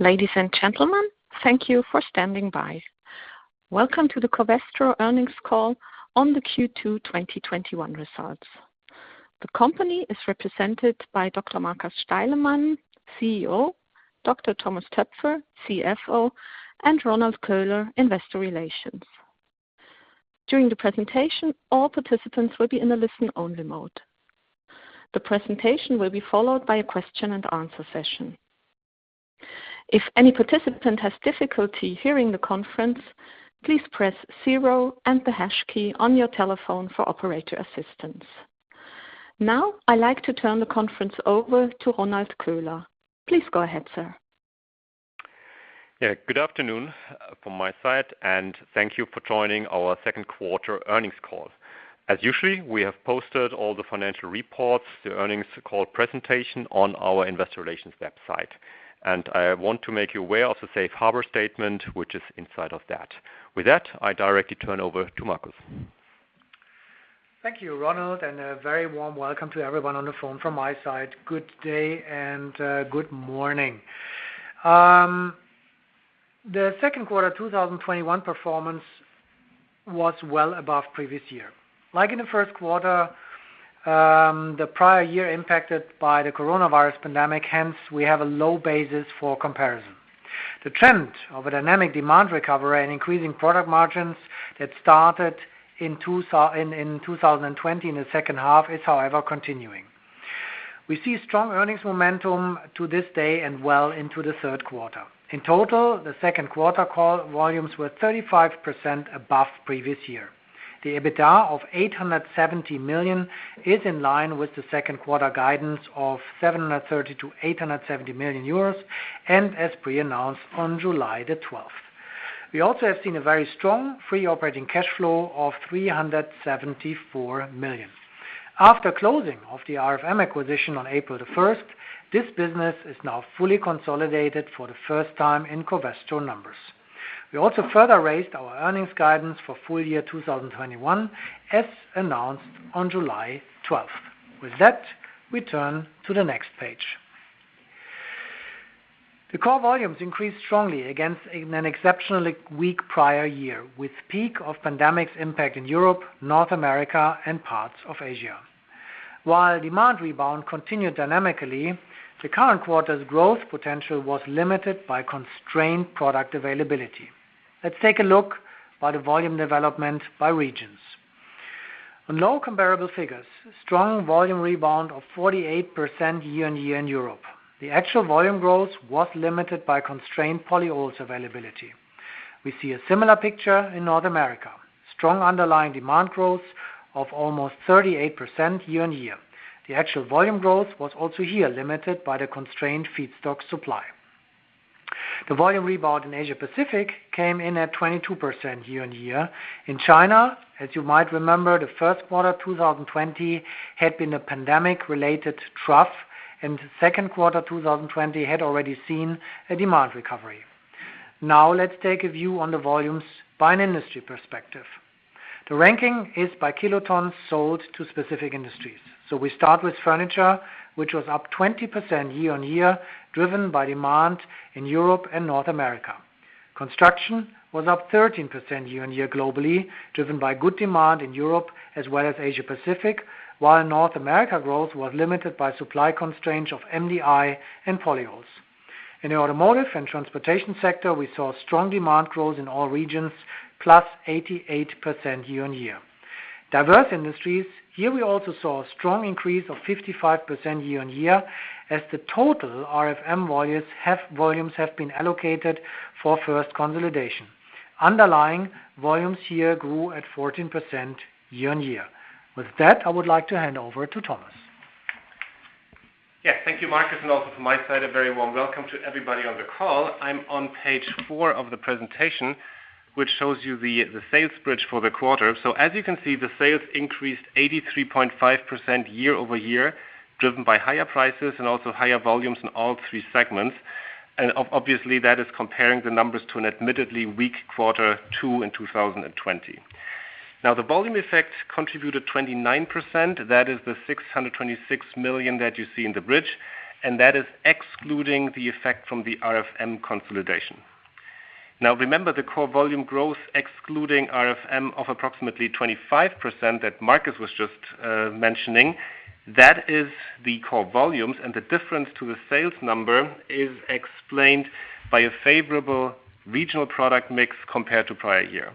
Ladies and gentlemen, thank you for standing by. Welcome to the Covestro earnings call on the Q2 2021 results. The company is represented by Dr. Markus Steilemann, CEO, Dr. Thomas Toepfer, CFO, and Ronald Köhler, Investor Relations. During the presentation, all participants will be in a listen-only mode. The presentation will be followed by a question and answer session. If any participant has difficulty hearing the conference, please press zero and the hash key on your telephone for operator assistance. Now, I'd like to turn the conference over to Ronald Köhler. Please go ahead, sir. Yeah. Good afternoon from my side, and thank you for joining our second quarter earnings call. As usually, we have posted all the financial reports, the earnings call presentation on our investor relations website. I want to make you aware of the safe harbor statement, which is inside of that. With that, I directly turn over to Markus. Thank you, Ronald, and a very warm welcome to everyone on the phone from my side. Good day and good morning. The second quarter 2021 performance was well above previous year. Like in the first quarter, the prior year impacted by the coronavirus pandemic, hence, we have a low basis for comparison. The trend of a dynamic demand recovery and increasing product margins that started in 2020 in the second half is, however, continuing. We see strong earnings momentum to this day and well into the third quarter. In total, the second quarter core volumes were 35% above previous year. The EBITDA of 870 million is in line with the second quarter guidance of 730 million-870 million euros, and as pre-announced on July 12th. We also have seen a very strong free operating cash flow of 374 million. After closing of the RFM acquisition on April the 1st, this business is now fully consolidated for the first time in Covestro numbers. We also further raised our earnings guidance for full year 2021, as announced on July 12th. With that, we turn to the next page. The core volumes increased strongly against an exceptionally weak prior year, with peak of pandemic's impact in Europe, North America, and parts of Asia. While demand rebound continued dynamically, the current quarter's growth potential was limited by constrained product availability. Let's take a look by the volume development by regions. On low comparable figures, strong volume rebound of 48% year-on-year in Europe. The actual volume growth was limited by constrained polyols availability. We see a similar picture in North America. Strong underlying demand growth of almost 38% year-on-year. The actual volume growth was also here limited by the constrained feedstock supply. The volume rebound in Asia Pacific came in at 22% year-on-year. In China, as you might remember, the first quarter 2020 had been a pandemic-related trough, and second quarter 2020 had already seen a demand recovery. Now, let's take a view on the volumes by an industry perspective. The ranking is by kilotons sold to specific industries. We start with furniture, which was up 20% year-on-year, driven by demand in Europe and North America. Construction was up 13% year-on-year globally, driven by good demand in Europe as well as Asia Pacific, while North America growth was limited by supply constraints of MDI and polyols. In the automotive and transportation sector, we saw strong demand growth in all regions, +88% year-on-year. Diverse industries, here we also saw a strong increase of 55% year-on-year as the total RFM volumes have been allocated for first consolidation. Underlying volumes here grew at 14% year-on-year. With that, I would like to hand over to Thomas. Yeah. Thank you, Markus, and also from my side, a very warm welcome to everybody on the call. I'm on page four of the presentation, which shows you the sales bridge for the quarter. As you can see, the sales increased 83.5% year-over-year, driven by higher prices and also higher volumes in all three segments. Obviously, that is comparing the numbers to an admittedly weak quarter two in 2020. The volume effect contributed 29%. That is the 626 million that you see in the bridge, and that is excluding the effect from the RFM consolidation. Remember the core volume growth excluding RFM of approximately 25% that Markus was just mentioning. That is the core volumes, and the difference to the sales number is explained by a favorable regional product mix compared to prior year.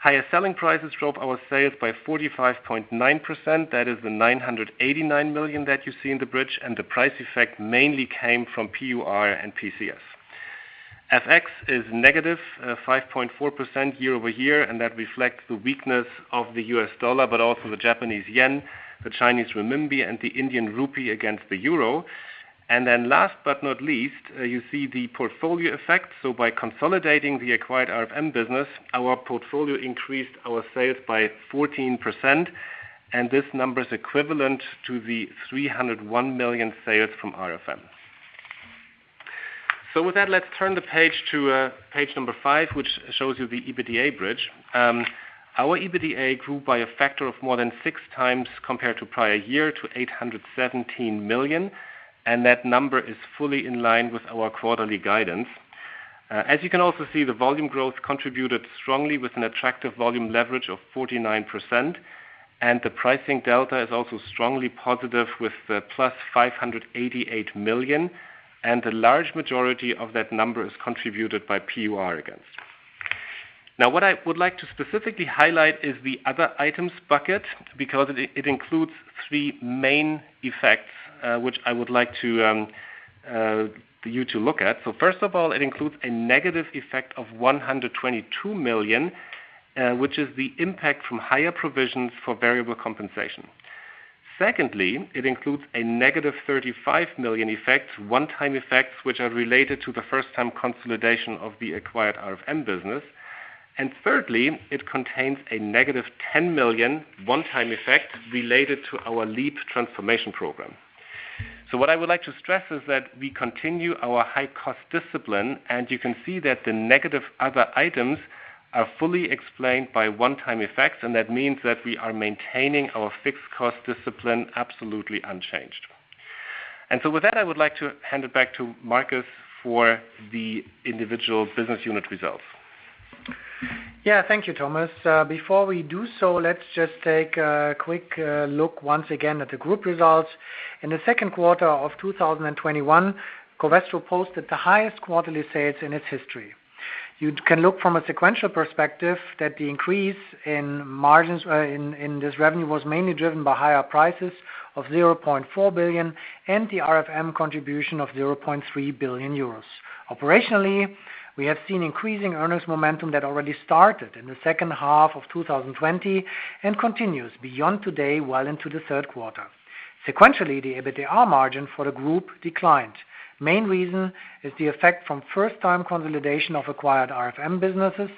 Higher selling prices drove our sales by 45.9%. That is the 989 million that you see in the bridge. The price effect mainly came from PUR and PCS. FX is -5.4% year-over-year. That reflects the weakness of the US dollar, but also the Japanese yen, the Chinese renminbi, and the Indian rupee against the euro. Last but not least, you see the portfolio effect. By consolidating the acquired RFM business, our portfolio increased our sales by 14%. This number is equivalent to the 301 million sales from RFM. With that, let's turn the page to page number five, which shows you the EBITDA bridge. Our EBITDA grew by a factor of more than 6x compared to prior year to 817 million, and that number is fully in line with our quarterly guidance. As you can also see, the volume growth contributed strongly with an attractive volume leverage of 49%, and the pricing delta is also strongly positive with the +588 million, and the large majority of that number is contributed by PUR, again. What I would like to specifically highlight is the other items bucket, because it includes three main effects, which I would like for you to look at. First of all, it includes a negative effect of 122 million, which is the impact from higher provisions for variable compensation. It includes a -35 million effect, one-time effects, which are related to the first-time consolidation of the acquired RFM business. Thirdly, it contains a -10 million one-time effect related to our LEAP transformation program. What I would like to stress is that we continue our high-cost discipline. You can see that the negative other items are fully explained by one-time effects. That means that we are maintaining our fixed cost discipline absolutely unchanged. With that, I would like to hand it back to Markus for the individual business unit results. Thank you, Thomas. Before we do so, let's just take a quick look once again at the group results. In the second quarter of 2021, Covestro posted the highest quarterly sales in its history. You can look from a sequential perspective that the increase in this revenue was mainly driven by higher prices of 0.4 billion and the RFM contribution of 0.3 billion euros. Operationally, we have seen increasing earnings momentum that already started in the second half of 2020 and continues beyond today, well into the third quarter. Sequentially, the EBITDA margin for the group declined. Main reason is the effect from first-time consolidation of acquired RFM businesses.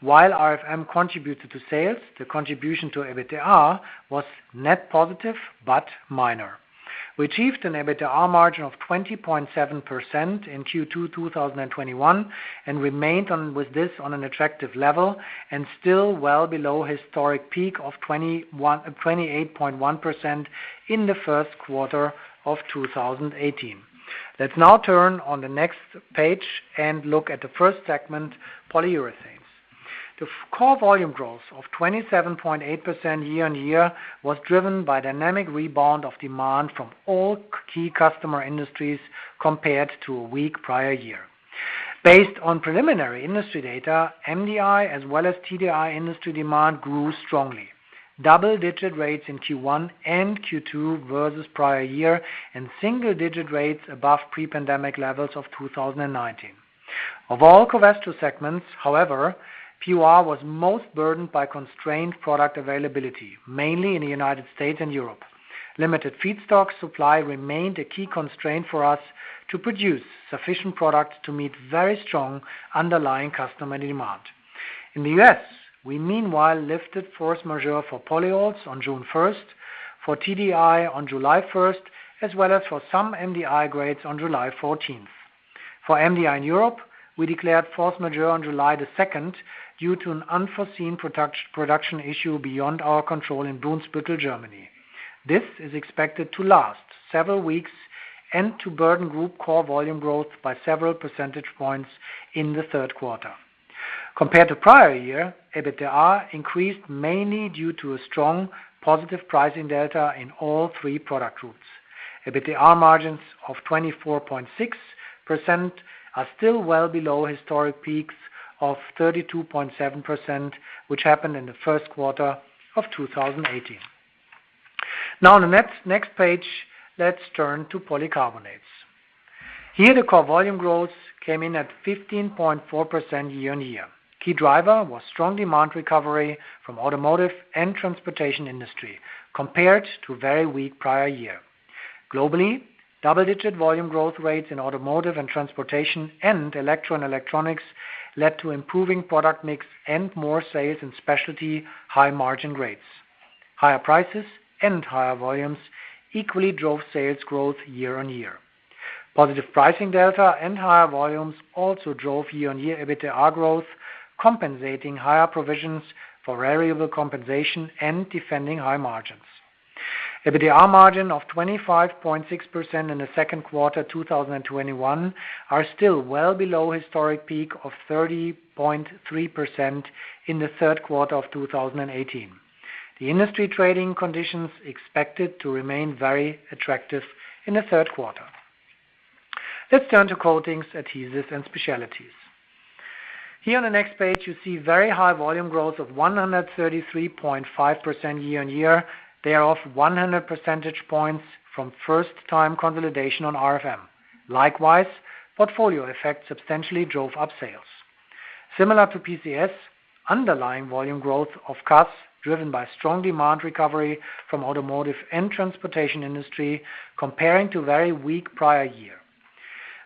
While RFM contributed to sales, the contribution to EBITDA was net positive but minor. We achieved an EBITDA margin of 20.7% in Q2 2021, and remained with this on an attractive level and still well below historic peak of 28.1% in the first quarter of 2018. Let's now turn on the next page and look at the first segment, Polyurethanes. The core volume growth of 27.8% year-on-year was driven by dynamic rebound of demand from all key customer industries compared to a weak prior year. Based on preliminary industry data, MDI as well as TDI industry demand grew strongly. Double-digit rates in Q1 and Q2 versus prior year, and single-digit rates above pre-pandemic levels of 2019. Of all Covestro segments, however, PUR was most burdened by constrained product availability, mainly in the United States and Europe. Limited feedstock supply remained a key constraint for us to produce sufficient product to meet very strong underlying customer demand. In the U.S., we meanwhile lifted force majeure for polyols on June 1st, for TDI on July 1st, as well as for some MDI grades on July 14th. For MDI in Europe, we declared force majeure on July the 2nd due to an unforeseen production issue beyond our control in Brunsbüttel, Germany. This is expected to last several weeks and to burden group core volume growth by several percentage points in the third quarter. Compared to prior year, EBITDA increased mainly due to a strong positive pricing delta in all three product groups. EBITDA margins of 24.6% are still well below historic peaks of 32.7%, which happened in the first quarter of 2018. On the next page, let's turn to Polyurethanes. Here, the core volume growth came in at 15.4% year-on-year. Key driver was strong demand recovery from automotive and transportation industry, compared to very weak prior year. Globally, double-digit volume growth rates in automotive and transportation and electrical and electronics led to improving product mix and more sales in specialty high-margin grades. Higher prices and higher volumes equally drove sales growth year-on-year. Positive pricing delta and higher volumes also drove year-on-year EBITDA growth, compensating higher provisions for variable compensation and defending high margins. EBITDA margin of 25.6% in the second quarter 2021 are still well below historic peak of 30.3% in the third quarter of 2018. The industry trading conditions expected to remain very attractive in the third quarter. Let's turn to Coatings, Adhesives, and Specialties. Here on the next page, you see very high volume growth of 133.5% year-on-year. Thereof 100 percentage points from first-time consolidation on RFM. Likewise, portfolio effects substantially drove up sales. Similar to PCS, underlying volume growth of CAS, driven by strong demand recovery from automotive and transportation industry comparing to very weak prior year.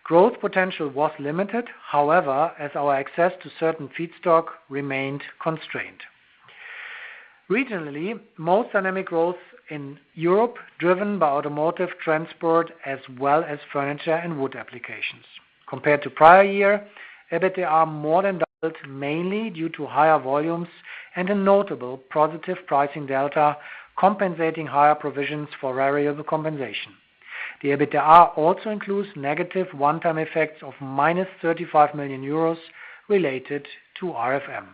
Growth potential was limited, however, as our access to certain feedstock remained constrained. Regionally, most dynamic growth in Europe driven by automotive transport as well as furniture and wood applications. Compared to prior year, EBITDA more than doubled, mainly due to higher volumes and a notable positive pricing delta compensating higher provisions for variable compensation. The EBITDA also includes negative one-time effects of -35 million euros related to RFM.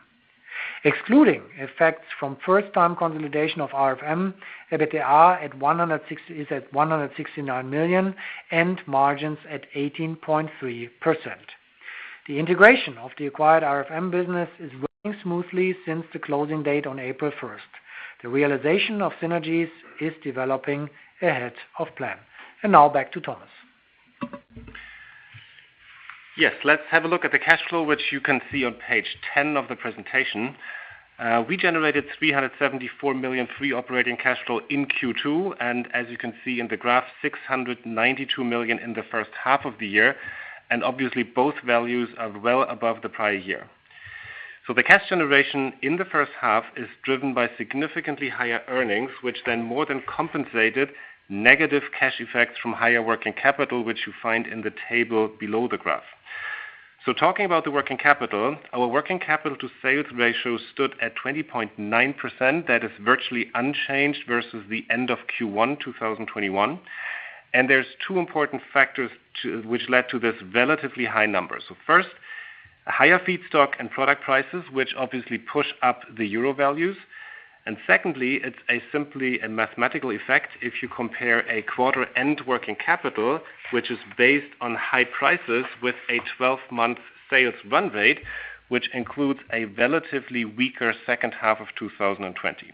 Excluding effects from first-time consolidation of RFM, EBITDA is at 169 million and margins at 18.3%. The integration of the acquired RFM business is running smoothly since the closing date on April 1st. The realization of synergies is developing ahead of plan. Now back to Thomas. Yes, let's have a look at the cash flow, which you can see on page 10 of the presentation. We generated 374 million free operating cash flow in Q2, As you can see in the graph, 692 million in the first half of the year, Obviously both values are well above the prior year. The cash generation in the first half is driven by significantly higher earnings, which then more than compensated negative cash effects from higher working capital, which you find in the table below the graph. Talking about the working capital, our working capital to sales ratio stood at 20.9%. That is virtually unchanged versus the end of Q1 2021. There's two important factors which led to this relatively high number. First, higher feedstock and product prices, which obviously push up the euro values, and secondly, it's simply a mathematical effect if you compare a quarter-end working capital, which is based on high prices, with a 12-month sales run rate, which includes a relatively weaker second half of 2020.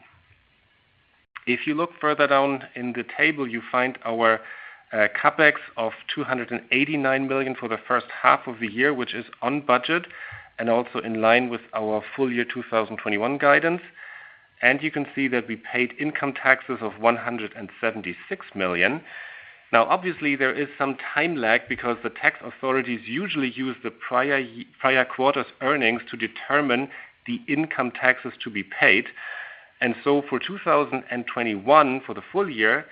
If you look further down in the table, you find our CapEx of 289 million for the first half of the year, which is on budget and also in line with our full year 2021 guidance, and you can see that we paid income taxes of 176 million. Obviously there is some time lag because the tax authorities usually use the prior quarter's earnings to determine the income taxes to be paid, for 2021, for the full year,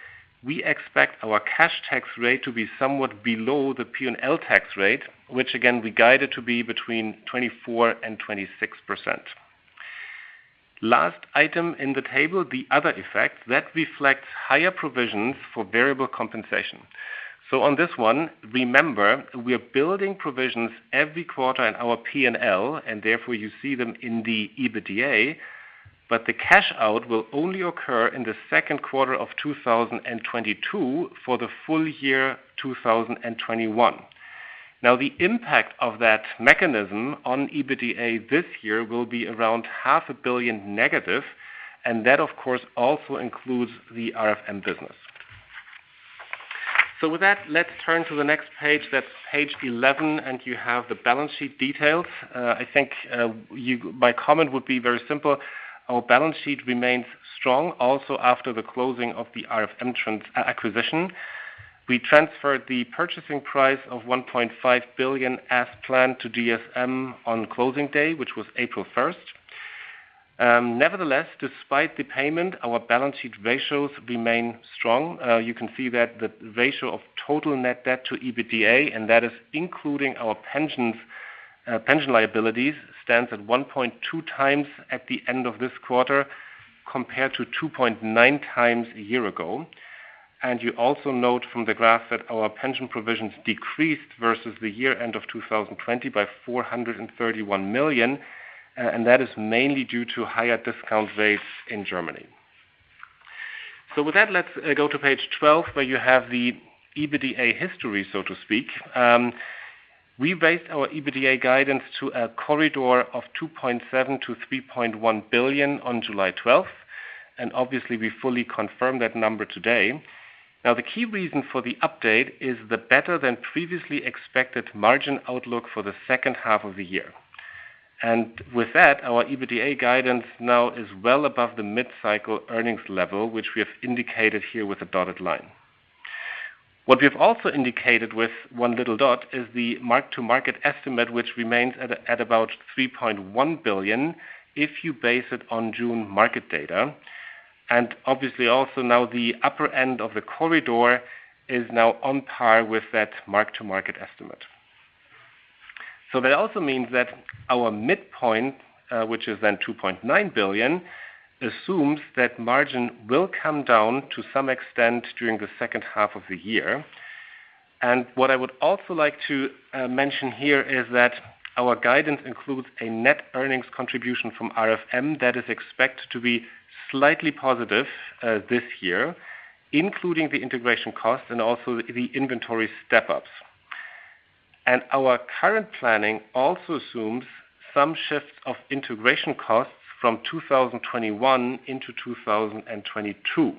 we expect our cash tax rate to be somewhat below the P&L tax rate, which again, we guided to be between 24% and 26%. Last item in the table, the other effects, that reflects higher provisions for variable compensation. On this one, remember, we are building provisions every quarter in our P&L, and therefore you see them in the EBITDA, but the cash out will only occur in the second quarter of 2022 for the full year 2021. The impact of that mechanism on EBITDA this year will be around 500 million negative, and that of course also includes the RFM business. With that, let's turn to the next page. That's page 11. You have the balance sheet details. I think my comment would be very simple. Our balance sheet remains strong also after the closing of the RFM acquisition. We transferred the purchasing price of 1.5 billion as planned to DSM on closing day, which was April 1st. Nevertheless, despite the payment, our balance sheet ratios remain strong. You can see that the ratio of total net debt to EBITDA, that is including our pension liabilities, stands at 1.2x at the end of this quarter, compared to 2.9x a year ago. You also note from the graph that our pension provisions decreased versus the year end of 2020 by 431 million, that is mainly due to higher discount rates in Germany. With that, let's go to page 12, where you have the EBITDA history, so to speak. We raised our EBITDA guidance to a corridor of 2.7 billion-3.1 billion on July 12th. Obviously, we fully confirm that number today. With that, our EBITDA guidance now is well above the mid-cycle earnings level, which we have indicated here with a dotted line. What we've also indicated with one little dot is the mark-to-market estimate, which remains at about 3.1 billion if you base it on June market data. Obviously also now the upper end of the corridor is now on par with that mark-to-market estimate. That also means that our midpoint, which is then 2.9 billion, assumes that margin will come down to some extent during the second half of the year. What I would also like to mention here is that our guidance includes a net earnings contribution from RFM that is expected to be slightly positive this year, including the integration costs and also the inventory step-ups. Our current planning also assumes some shift of integration costs from 2021 into 2022.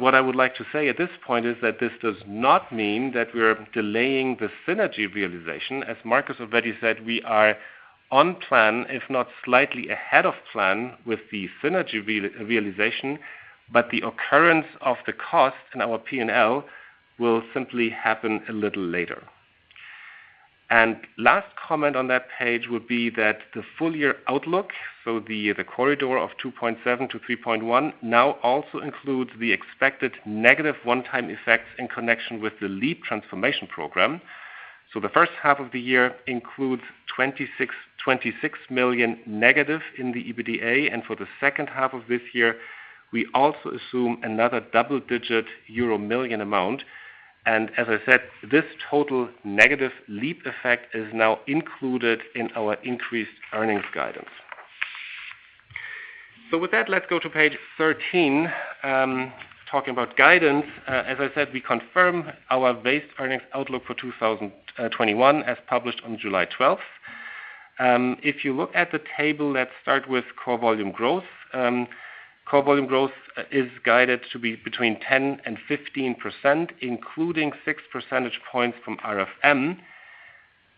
What I would like to say at this point is that this does not mean that we're delaying the synergy realization. As Markus already said, we are on plan, if not slightly ahead of plan, with the synergy realization, but the occurrence of the cost in our P&L will simply happen a little later. Last comment on that page would be that the full-year outlook, so the corridor of 2.7 billion-3.1 billion now also includes the expected negative one-time effects in connection with the LEAP transformation program. The first half of the year includes -26 million in the EBITDA, and for the second half of this year, we also assume another double-digit EUR million amount. As I said, this total negative LEAP effect is now included in our increased earnings guidance. With that, let's go to page 13, talking about guidance. As I said, we confirm our base earnings outlook for 2021, as published on July 12th. If you look at the table, let's start with core volume growth. Core volume growth is guided to be between 10%-15%, including 6 percentage points from RFM.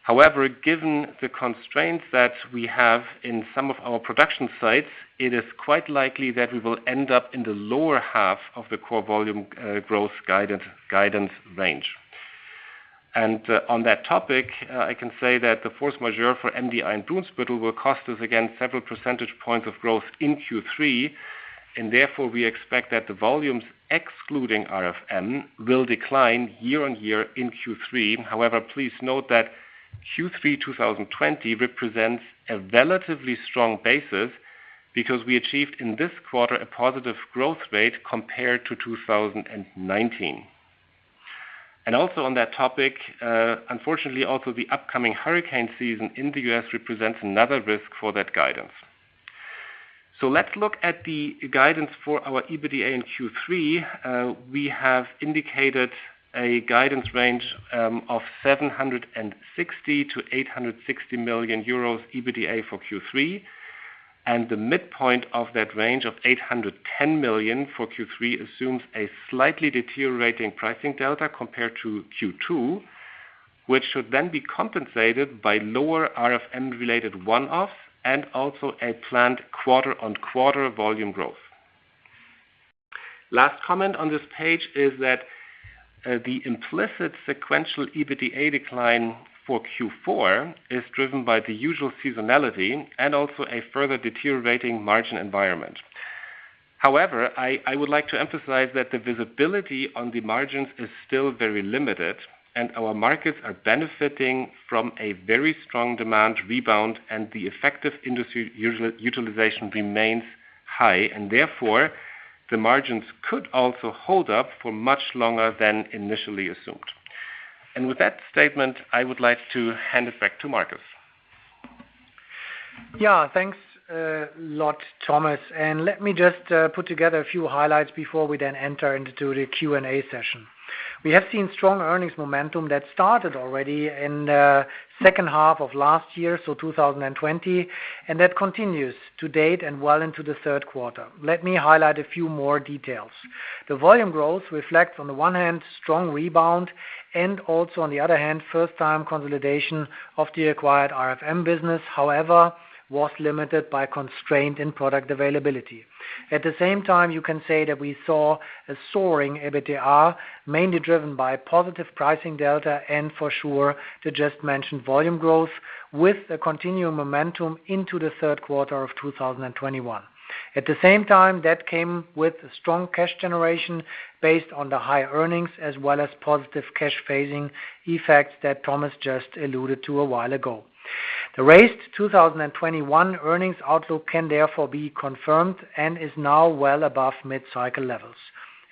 However, given the constraints that we have in some of our production sites, it is quite likely that we will end up in the lower half of the core volume growth guidance range. On that topic, I can say that the force majeure for MDI in Brunsbüttel will cost us, again, several percentage points of growth in Q3, and therefore, we expect that the volumes excluding RFM will decline year-on-year in Q3. However, please note that Q3 2020 represents a relatively strong basis because we achieved in this quarter a positive growth rate compared to 2019. Also on that topic, unfortunately, also the upcoming hurricane season in the U.S. represents another risk for that guidance. Let's look at the guidance for our EBITDA in Q3. We have indicated a guidance range of 760 million-860 million euros EBITDA for Q3, and the midpoint of that range of 810 million for Q3 assumes a slightly deteriorating pricing delta compared to Q2, which should then be compensated by lower RFM-related one-off and also a planned quarter-on-quarter volume growth. Last comment on this page is that the implicit sequential EBITDA decline for Q4 is driven by the usual seasonality and also a further deteriorating margin environment. However, I would like to emphasize that the visibility on the margins is still very limited, and our markets are benefiting from a very strong demand rebound, and the effective industry utilization remains high, and therefore, the margins could also hold up for much longer than initially assumed. With that statement, I would like to hand it back to Markus. Thanks a lot, Thomas, let me just put together a few highlights before we then enter into the Q&A session. We have seen strong earnings momentum that started already in the second half of last year, so 2020, that continues to date and well into the third quarter. Let me highlight a few more details. The volume growth reflects, on the one hand, strong rebound, also, on the other hand, first-time consolidation of the acquired RFM business, however, was limited by constraint in product availability. At the same time, you can say that we saw a soaring EBITDA, mainly driven by positive pricing delta, for sure, the just mentioned volume growth with the continuing momentum into the third quarter of 2021. At the same time, that came with strong cash generation based on the high earnings as well as positive cash phasing effects that Thomas just alluded to a while ago. The raised 2021 earnings outlook can therefore be confirmed and is now well above mid-cycle levels.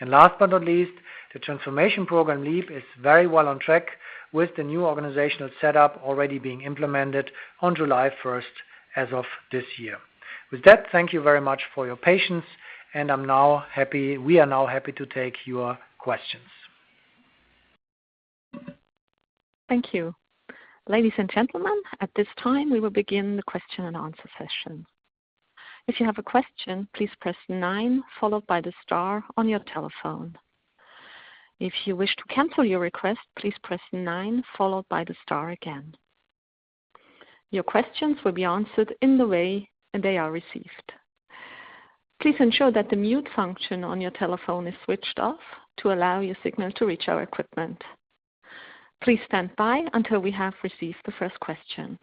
Last but not least, the transformation program, LEAP, is very well on track with the new organizational setup already being implemented on July 1st as of this year. With that, thank you very much for your patience, and we are now happy to take your questions. Thank you. Ladies and gentlemen, at this time, we will begin the question and answer session. If you have a question, please press nine, followed by the star, on your telephone. If you wish to cancel your request, please press nine, followed by the star, again. Your questions will be answered in the way they are received. Please ensure that the mute function on your telephone is switched off to allow your signal to reach our equipment. Please stand by until we have received the first question.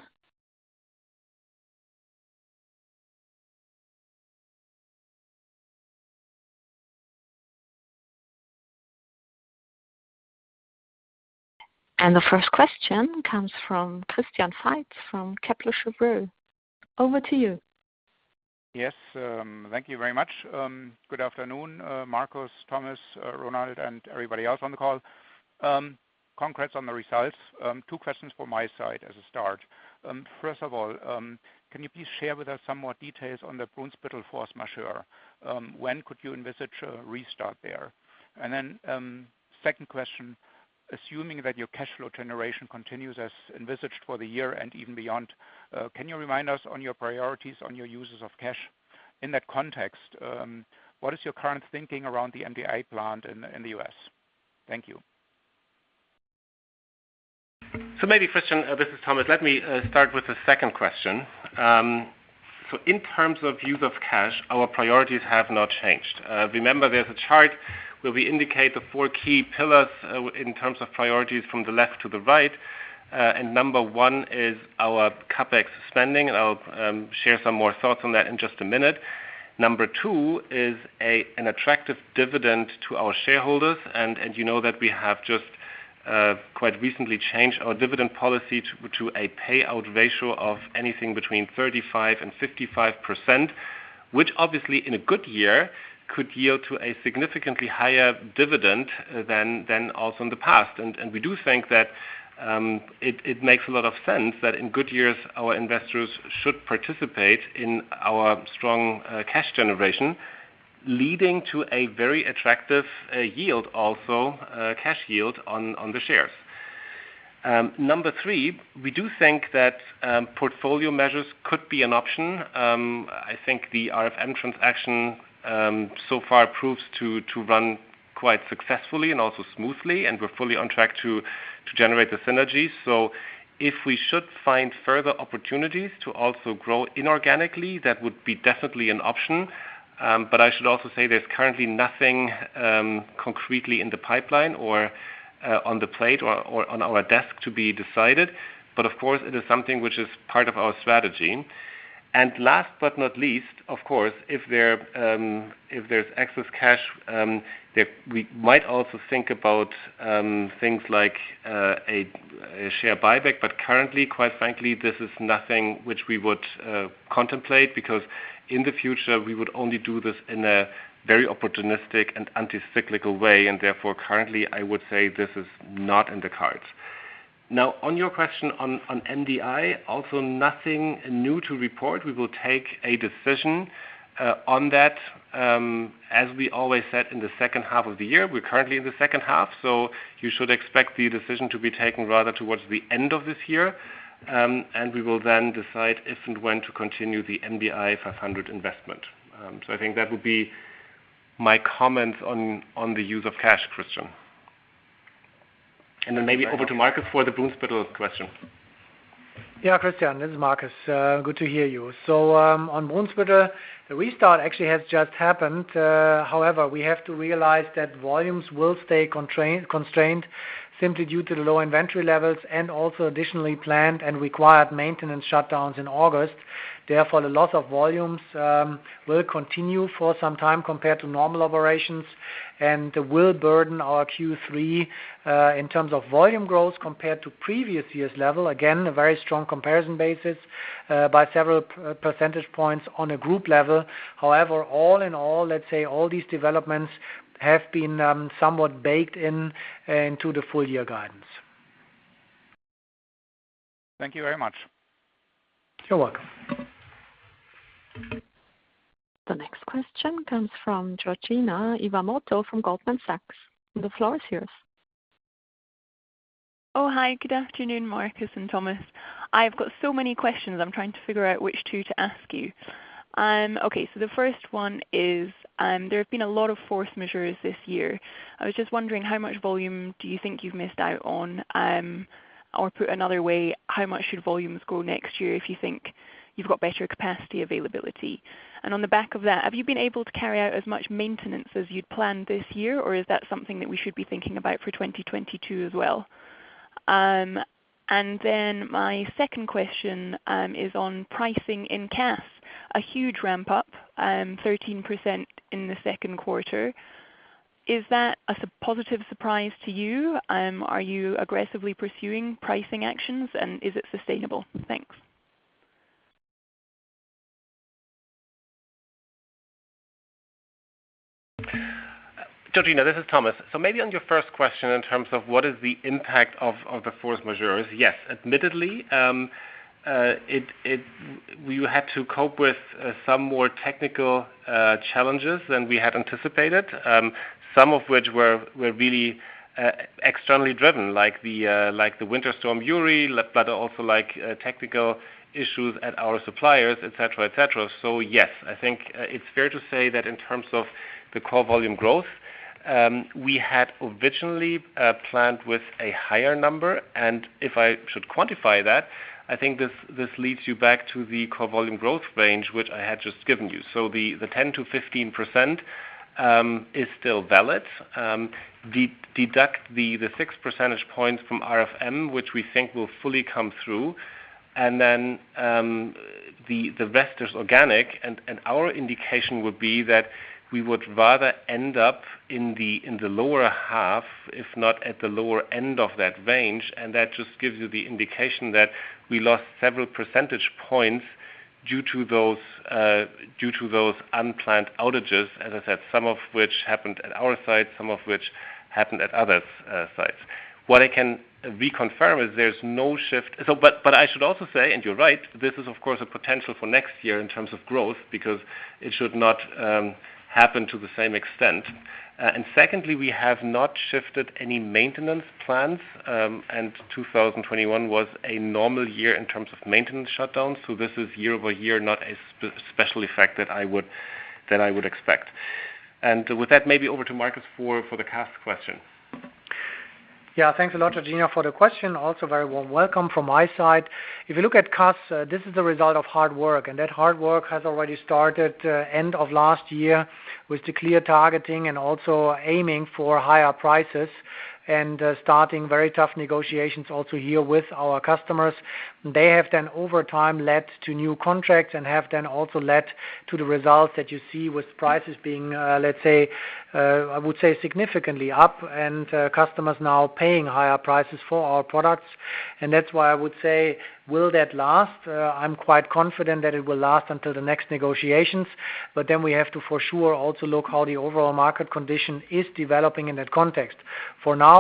The first question comes from Christian Faitz from Kepler Cheuvreux. Over to you. Yes. Thank you very much. Good afternoon, Markus, Thomas, Ronald, and everybody else on the call. Congrats on the results. Two questions from my side as a start. First of all, can you please share with us some more details on the Brunsbüttel force majeure? When could you envisage a restart there? Second question, assuming that your cash flow generation continues as envisaged for the year and even beyond, can you remind us on your priorities on your uses of cash in that context? What is your current thinking around the MDI plant in the U.S.? Thank you. Maybe, Christian, this is Thomas. Let me start with the second question. In terms of use of cash, our priorities have not changed. Remember, there's a chart where we indicate the four key pillars in terms of priorities from the left to the right. Number one is our CapEx spending, and I'll share some more thoughts on that in just a minute. Number two is an attractive dividend to our shareholders, and you know that we have just quite recently changed our dividend policy to a payout ratio of anything between 35% and 55%, which obviously, in a good year, could yield to a significantly higher dividend than also in the past. We do think that it makes a lot of sense that in good years, our investors should participate in our strong cash generation, leading to a very attractive yield also, cash yield on the shares. Number three, we do think that portfolio measures could be an option. I think the RFM transaction so far proves to run quite successfully and also smoothly, and we're fully on track to generate the synergy. If we should find further opportunities to also grow inorganically, that would be definitely an option. I should also say there's currently nothing concretely in the pipeline or on the plate or on our desk to be decided. Of course, it is something which is part of our strategy. Last but not least, of course, if there's excess cash, we might also think about things like a share buyback, but currently, quite frankly, this is nothing which we would contemplate because in the future, we would only do this in a very opportunistic and anti-cyclical way, and therefore currently, I would say this is not in the cards. Now on your question on MDI, also nothing new to report. We will take a decision on that, as we always said, in the second half of the year. We are currently in the second half, so you should expect the decision to be taken rather towards the end of this year, and we will then decide if and when to continue the MDI-500 investment. I think that would be my comments on the use of cash, Christian. Maybe over to Markus for the Brunsbüttel question. Yeah, Christian. This is Markus. Good to hear you. On Brunsbüttel, the restart actually has just happened. However, we have to realize that volumes will stay constrained simply due to the low inventory levels and also additionally planned and required maintenance shutdowns in August. Therefore, the loss of volumes will continue for some time compared to normal operations and will burden our Q3, in terms of volume growth compared to previous year's level, again, a very strong comparison basis by several percentage points on a group level. However, all in all, let's say all these developments have been somewhat baked into the full-year guidance. Thank you very much. You're welcome. The next question comes from Georgina Iwamoto from Goldman Sachs. The floor is yours. Oh, hi. Good afternoon, Markus and Thomas. I have got so many questions. I am trying to figure out which two to ask you. Okay. The first one is, there have been a lot of force majeure this year. I was just wondering how much volume do you think you've missed out on? Or put another way, how much should volumes grow next year if you think you've got better capacity availability? On the back of that, have you been able to carry out as much maintenance as you'd planned this year, or is that something that we should be thinking about for 2022 as well? My second question is on pricing in CAS. A huge ramp up, 13% in the second quarter. Is that a positive surprise to you? Are you aggressively pursuing pricing actions, and is it sustainable? Thanks. Georgina, this is Thomas. Maybe on your first question in terms of what is the impact of the force majeure. Yes, admittedly, we had to cope with some more technical challenges than we had anticipated. Some of which were really externally driven, like the Winter Storm Uri, but also technical issues at our suppliers, et cetera. Yes, I think it's fair to say that in terms of the core volume growth, we had originally planned with a higher number, and if I should quantify that, I think this leads you back to the core volume growth range, which I had just given you. The 10%-15% is still valid. Deduct the 6 percentage points from RFM, which we think will fully come through, and then the rest is organic, and our indication would be that we would rather end up in the lower half, if not at the lower end of that range, and that just gives you the indication that we lost several percentage points due to those unplanned outages, as I said, some of which happened at our site, some of which happened at others' sites. I should also say, and you're right, this is of course a potential for next year in terms of growth because it should not happen to the same extent. Secondly, we have not shifted any maintenance plans, and 2021 was a normal year in terms of maintenance shutdowns. This is year over year, not a special effect that I would expect. With that, maybe over to Markus for the CAS question. Thanks a lot, Georgina Iwamoto, for the question. Also, a very warm welcome from my side. If you look at CAS, this is the result of hard work. That hard work has already started end of last year with the clear targeting and also aiming for higher prices and starting very tough negotiations also here with our customers. They have, over time, led to new contracts and have also led to the results that you see with prices being, I would say, significantly up and customers now paying higher prices for our products. That's why I would say, will that last? I'm quite confident that it will last until the next negotiations. Then we have to, for sure, also look how the overall market condition is developing in that context. For now,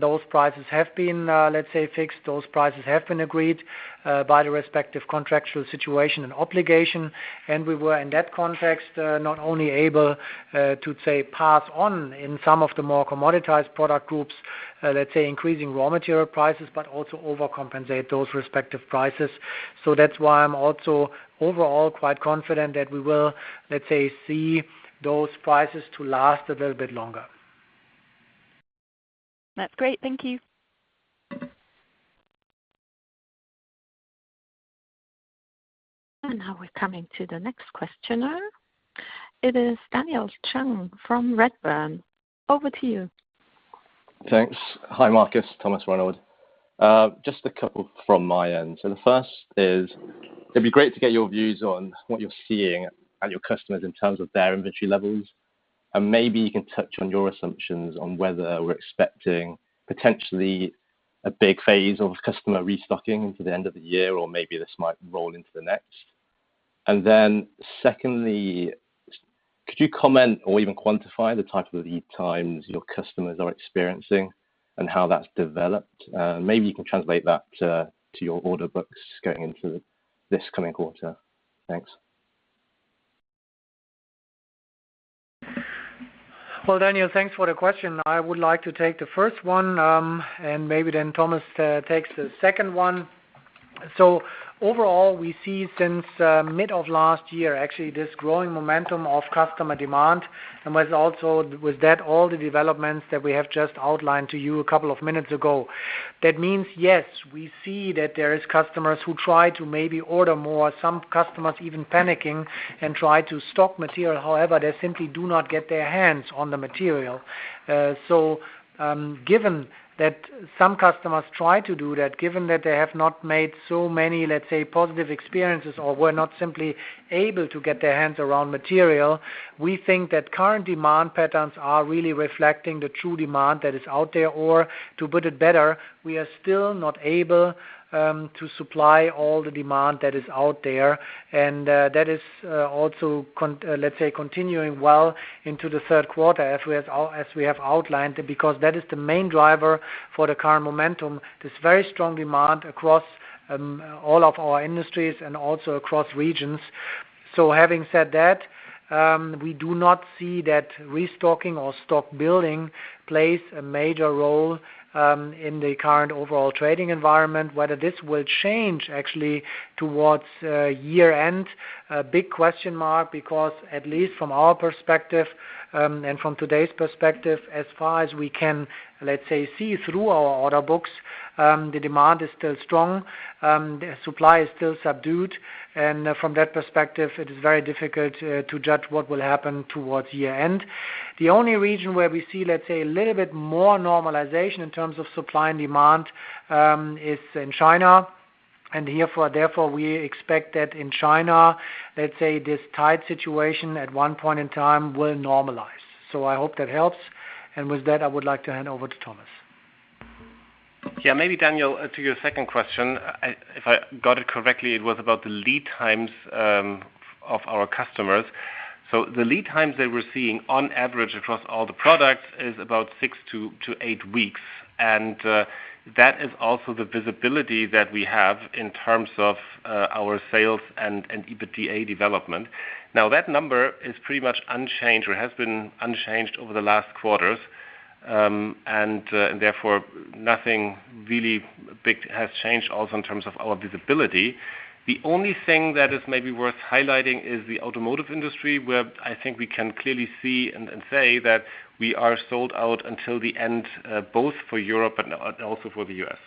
those prices have been, let's say, fixed. Those prices have been agreed by the respective contractual situation and obligation, and we were, in that context, not only able to, say, pass on in some of the more commoditized product groups, let's say, increasing raw material prices, but also overcompensate those respective prices. That's why I'm also overall quite confident that we will, let's say, see those prices to last a little bit longer. That's great. Thank you. Now we're coming to the next questioner. It is Daniel Chung from Redburn. Over to you. Thanks. Hi, Markus, Thomas, Ronald. Just a couple from my end. The first is, it'd be great to get your views on what you're seeing and your customers in terms of their inventory levels. Maybe you can touch on your assumptions on whether we're expecting potentially a big phase of customer restocking into the end of the year, or maybe this might roll into the next. Secondly, could you comment or even quantify the type of lead times your customers are experiencing and how that's developed? Maybe you can translate that to your order books going into this coming quarter. Thanks. Well, Daniel, thanks for the question. I would like to take the first one, and maybe then Thomas takes the second one. Overall, we see since mid of last year, actually, this growing momentum of customer demand, and with that, all the developments that we have just outlined to you a couple of minutes ago. That means, yes, we see that there is customers who try to maybe order more, some customers even panicking and try to stock material. However, they simply do not get their hands on the material. Given that some customers try to do that, given that they have not made so many, let's say, positive experiences or were not simply able to get their hands around material, we think that current demand patterns are really reflecting the true demand that is out there. To put it better, we are still not able to supply all the demand that is out there. That is also, let's say, continuing well into the third quarter as we have outlined, because that is the main driver for the current momentum, this very strong demand across all of our industries and also across regions. Having said that, we do not see that restocking or stock-building plays a major role in the current overall trading environment. Whether this will change actually towards year-end? Big question mark, because at least from our perspective and from today's perspective, as far as we can, let's say, see through our order books, the demand is still strong. Supply is still subdued. From that perspective, it is very difficult to judge what will happen towards year-end. The only region where we see, let's say, a little bit more normalization in terms of supply and demand is in China, and therefore, we expect that in China, let's say, this tight situation at one point in time will normalize. I hope that helps. With that, I would like to hand over to Thomas. Yeah. Maybe, Daniel, to your second question, if I got it correctly, it was about the lead times of our customers. The lead times that we're seeing on average across all the products is about six to eight weeks, and that is also the visibility that we have in terms of our sales and EBITDA development. That number is pretty much unchanged or has been unchanged over the last quarters, and therefore, nothing really big has changed also in terms of our visibility. The only thing that is maybe worth highlighting is the automotive industry, where I think we can clearly see and say that we are sold out until the end, both for Europe and also for the U.S.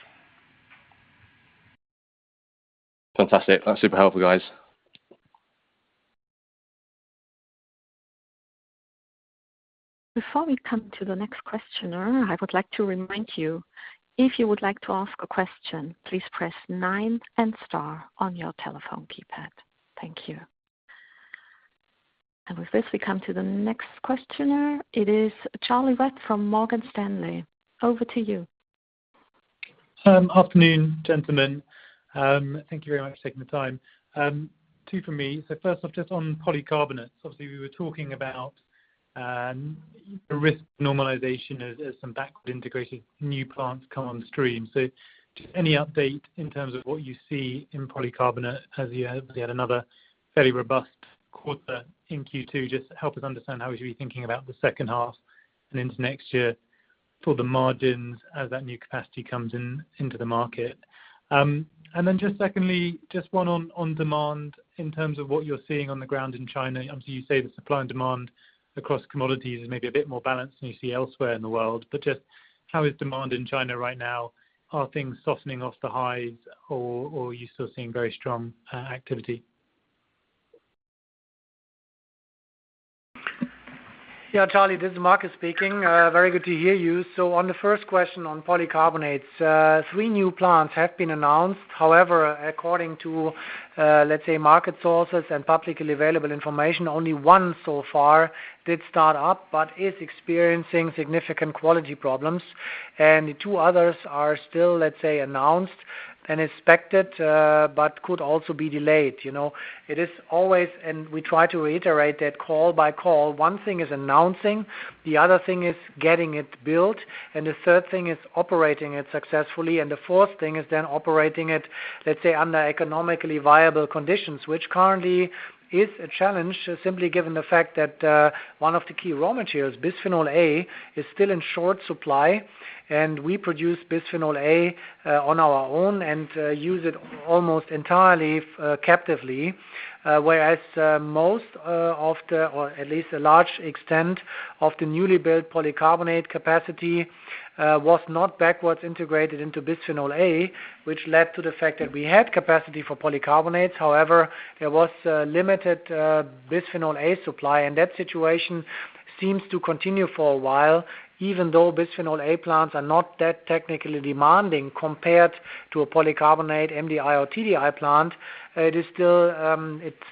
Fantastic. Super helpful, guys. Before we come to the next questioner, I would like to remind you, if you would like to ask a question, please press 9 and star on your telephone keypad. Thank you. With this, we come to the next questioner. It is Charlie Webb from Morgan Stanley. Over to you. Afternoon, gentlemen. Thank you very much for taking the time. Two from me. First off, just on polycarbonates. Obviously, we were talking about the risk normalization as some backward integrated new plants come on stream. Just any update in terms of what you see in polycarbonate as you had another fairly robust quarter in Q2? Just help us understand how we should be thinking about the second half and into next year for the margins as that new capacity comes into the market. Secondly, just one on demand in terms of what you're seeing on the ground in China. Obviously, you say the supply and demand across commodities is maybe a bit more balanced than you see elsewhere in the world. Just how is demand in China right now? Are things softening off the highs or are you still seeing very strong activity? Yeah, Charlie, this is Markus speaking. Very good to hear you. On the first question on polycarbonates, three new plants have been announced. However, according to, let's say, market sources and publicly available information, only one so far did start up, but is experiencing significant quality problems. The two others are still, let's say, announced and expected, but could also be delayed. It is always, and we try to reiterate that call by call, one thing is announcing, the other thing is getting it built, and the third thing is operating it successfully, and the fourth thing is then operating it, let's say, under economically viable conditions. Which currently is a challenge, simply given the fact that one of the key raw materials, bisphenol A, is still in short supply, and we produce bisphenol A on our own and use it almost entirely captively. Whereas most of the, or at least a large extent of the newly built polycarbonate capacity was not backwards integrated into bisphenol A, which led to the fact that we had capacity for polycarbonates. However, there was limited bisphenol A supply, and that situation seems to continue for a while, even though bisphenol A plants are not that technically demanding compared to a polycarbonate MDI or TDI plant. It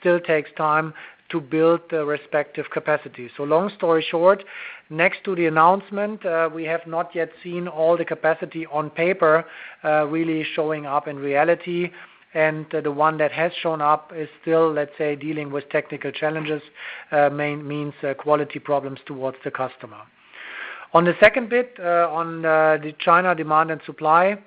still takes time to build the respective capacity. Long story short, next to the announcement, we have not yet seen all the capacity on paper really showing up in reality. The one that has shown up is still, let's say, dealing with technical challenges, means quality problems towards the customer. On the second bit, on the China demand and supply,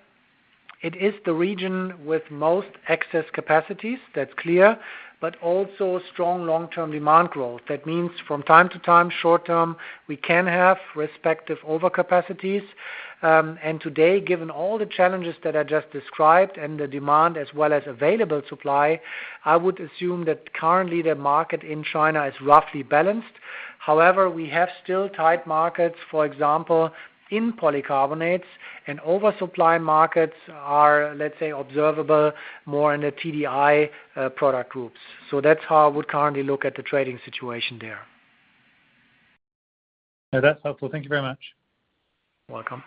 it is the region with most excess capacities, that's clear, but also strong long-term demand growth. That means from time to time, short term, we can have respective overcapacities. Today, given all the challenges that I just described and the demand as well as available supply, I would assume that currently the market in China is roughly balanced. However, we have still tight markets, for example, in polycarbonates and oversupply markets are, let's say, observable more in the TDI product groups. That's how I would currently look at the trading situation there. No, that's helpful. Thank you very much. Welcome.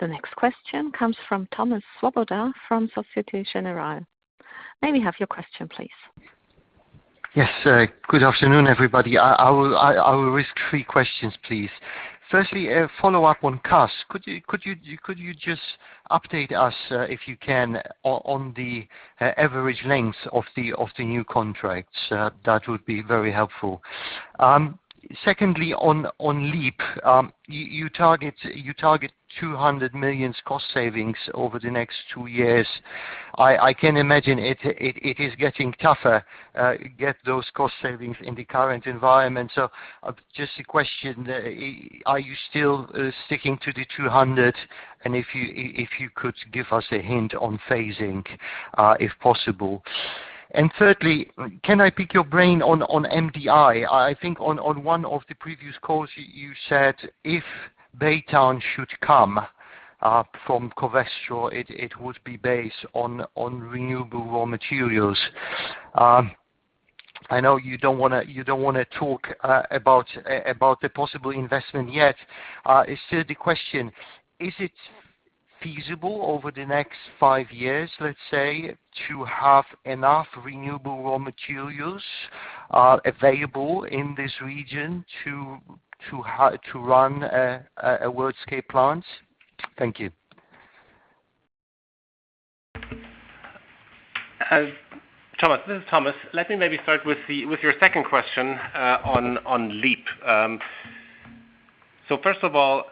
The next question comes from Thomas Swoboda from Societe Generale. May we have your question, please? Yes. Good afternoon, everybody. I will risk three questions, please. Firstly, a follow-up on CAS. Could you just update us, if you can, on the average length of the new contracts? That would be very helpful. Secondly, on LEAP. You target 200 million cost savings over the next two years. I can imagine it is getting tougher, get those cost savings in the current environment. Just a question, are you still sticking to the 200? If you could give us a hint on phasing, if possible. Thirdly, can I pick your brain on MDI? I think on 1 of the previous calls, you said if Baytown should come from Covestro, it would be based on renewable raw materials. I know you don't want to talk about the possible investment yet. Still, the question, is it feasible over the next five years, let's say, to have enough renewable raw materials available in this region to run a world-scale plant? Thank you. Thomas, this is Thomas. Let me maybe start with your second question, on LEAP. First of all,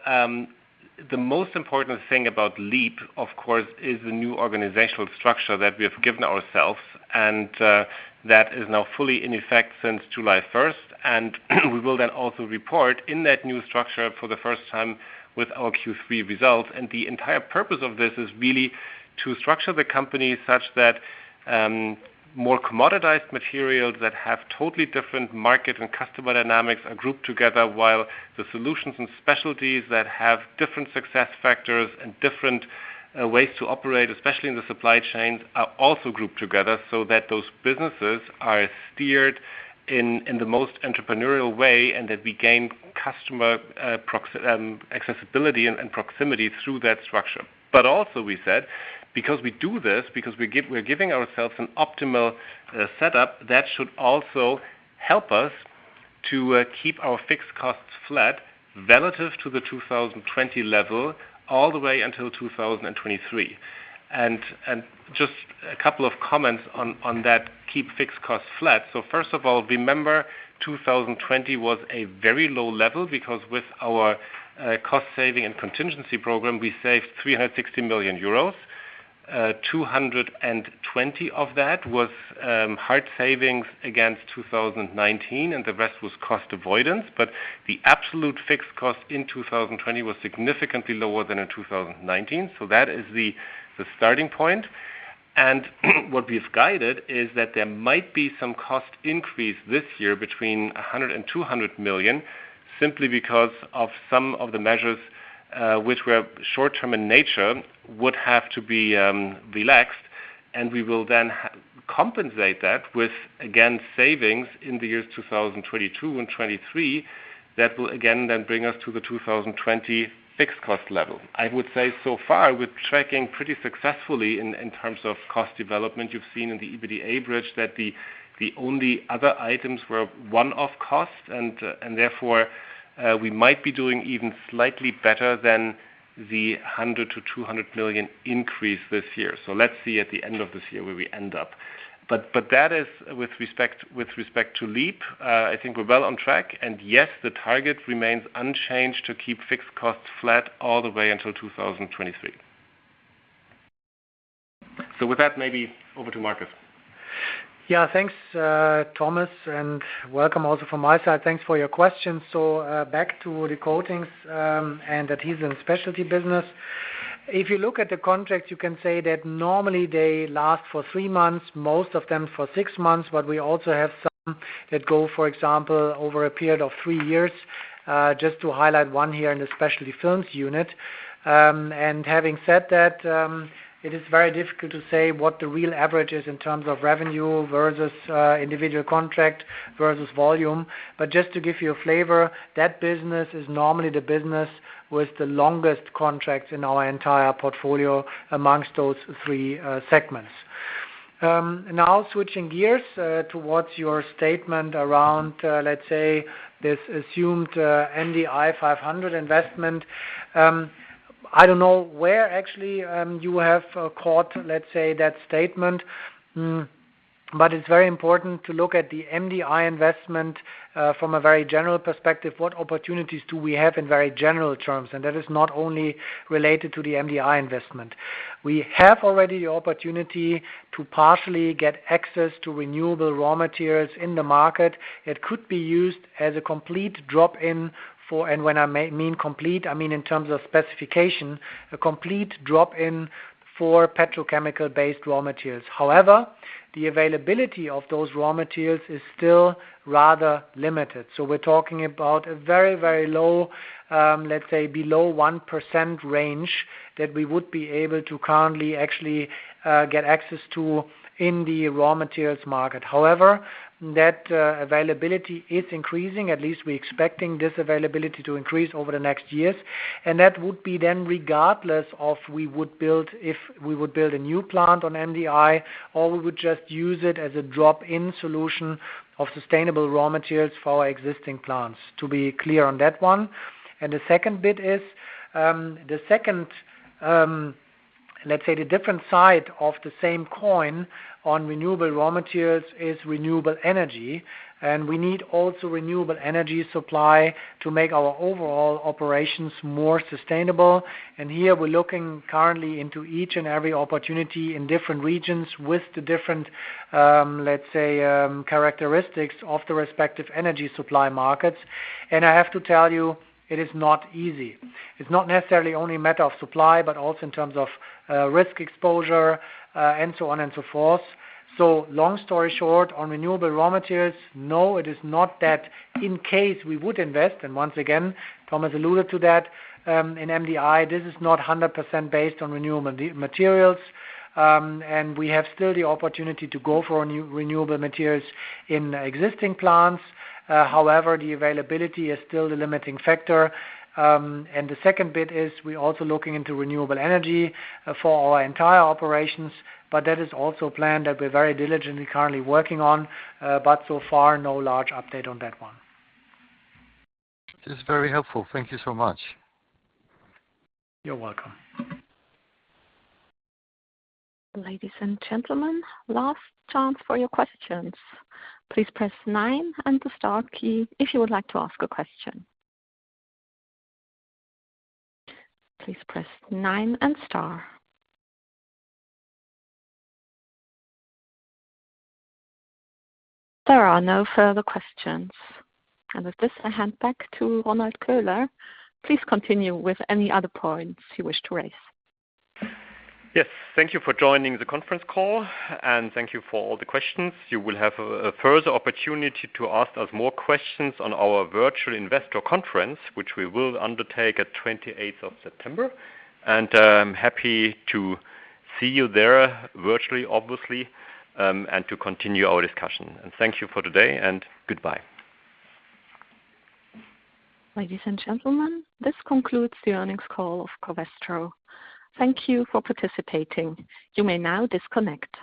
the most important thing about LEAP, of course, is the new organizational structure that we have given ourselves, and that is now fully in effect since July 1st. We will then also report in that new structure for the first time with our Q3 results. The entire purpose of this is really to structure the company such that more commoditized materials that have totally different market and customer dynamics are grouped together, while the solutions and specialties that have different success factors and different ways to operate, especially in the supply chains, are also grouped together, so that those businesses are steered in the most entrepreneurial way and that we gain customer accessibility and proximity through that structure. Also, we said, because we do this, because we're giving ourselves an optimal setup, that should also help us to keep our fixed costs flat relative to the 2020 level all the way until 2023. Just a couple of comments on that keep fixed costs flat. First of all, remember, 2020 was a very low level because with our cost-saving and contingency program, we saved 360 million euros. 220 million of that was hard savings against 2019, the rest was cost avoidance. The absolute fixed cost in 2020 was significantly lower than in 2019. That is the starting point. What we've guided is that there might be some cost increase this year between 100 million and 200 million, simply because of some of the measures which were short-term in nature would have to be relaxed, and we will then compensate that with, again, savings in the years 2022 and 2023. That will again then bring us to the 2020 fixed cost level. I would say so far, we're tracking pretty successfully in terms of cost development. You've seen in the EBITDA bridge that the only other items were one-off cost and therefore, we might be doing even slightly better than the 100 million to 200 million increase this year. Let's see at the end of this year where we end up. That is with respect to LEAP, I think we're well on track. Yes, the target remains unchanged to keep fixed costs flat all the way until 2023. With that, maybe over to Markus. Yeah, thanks, Thomas, and welcome also from my side. Thanks for your questions. Back to the Coatings, Adhesives, and Specialties business. If you look at the contracts, you can say that normally they last for three months, most of them for six months, but we also have some that go, for example, over a period of three years, just to highlight one here in the Specialty Films unit. Having said that, it is very difficult to say what the real average is in terms of revenue versus individual contract versus volume. Just to give you a flavor, that business is normally the business with the longest contracts in our entire portfolio amongst those three segments. Now switching gears towards your statement around, let's say, this assumed MDI-500 investment. I don't know where actually you have caught, let's say, that statement. It's very important to look at the MDI investment from a very general perspective. What opportunities do we have in very general terms? That is not only related to the MDI investment. We have already the opportunity to partially get access to renewable raw materials in the market. It could be used as a complete drop-in for, And when I mean complete, I mean in terms of specification, a complete drop-in for petrochemical-based raw materials. However, the availability of those raw materials is still rather limited. We're talking about a very, very low, let's say, below 1% range that we would be able to currently actually get access to in the raw materials market. However, that availability is increasing. At least we're expecting this availability to increase over the next years. That would be then regardless of if we would build a new plant on MDI, or we would just use it as a drop-in solution of sustainable raw materials for our existing plants. To be clear on that one. The second bit is, the second, let's say, the different side of the same coin on renewable raw materials is renewable energy. We need also renewable energy supply to make our overall operations more sustainable. Here, we're looking currently into each and every opportunity in different regions with the different, let's say, characteristics of the respective energy supply markets. I have to tell you, it is not easy. It's not necessarily only a matter of supply, but also in terms of risk exposure, and so on and so forth. Long story short, on renewable raw materials, no, it is not that in case we would invest, and once again, Thomas alluded to that, in MDI, this is not 100% based on renewable materials. We have still the opportunity to go for renewable materials in existing plants. The availability is still the limiting factor. The second bit is we're also looking into renewable energy for our entire operations, but that is also a plan that we're very diligently currently working on. So far, no large update on that one. This is very helpful. Thank you so much. You're welcome. Ladies and gentlemen, last chance for your questions. Please press nine and the star key if you would like to ask a question. Please press nine and star. There are no further questions. With this, I hand back to Ronald Köhler. Please continue with any other points you wish to raise. Yes. Thank you for joining the conference call, and thank you for all the questions. You will have a further opportunity to ask us more questions on our virtual investor conference, which we will undertake at 28th of September. I'm happy to see you there virtually, obviously, and to continue our discussion. Thank you for today, and goodbye. Ladies and gentlemen, this concludes the earnings call of Covestro. Thank you for participating. You may now disconnect.